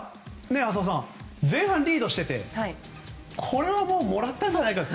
前半リードしていてこれはもうもらったんじゃないかと。